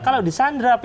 kalau di sandra pp